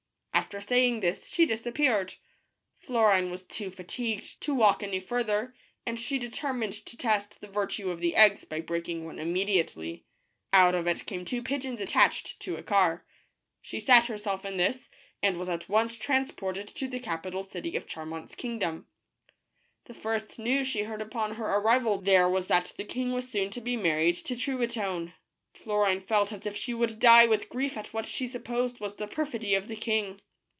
After saying this she disappeared. Florine was too fa tigued to walk any furthur, and she determined to test the virtue of the eggs by breaking one immediately. Out of it came two pigeons, attached to a car. She sat herself in this and was at once transported to the capital city of Charmant's kingdom. The first news she heard upon her arrival there was that the king was soon to be married to Truitonne. Florine felt as if she would die with grief at what she supposed was the perfidy of the king.